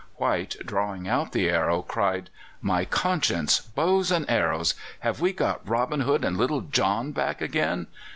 White, drawing out the arrow, cried: "My conscience! Bows and arrows! Have we got Robin Hood and Little John back again?